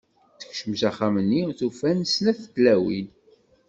Tekcem s axxam-nni, tufa-n snat tlawin.